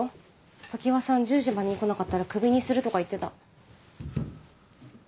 常葉さん１０時までに来なかったらクビにするとか言ってた。